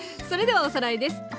それではおさらいです。